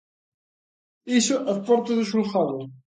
Iso ás portas do xulgado.